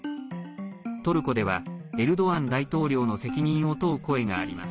トルコでは、エルドアン大統領の責任を問う声があります。